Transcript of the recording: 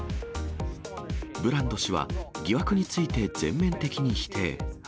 ブランド氏は、疑惑について全面的に否定。